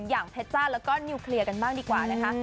อย่างเพชรจ้าแล้วก็นิวเคลียร์กันบ้างดีกว่านะคะ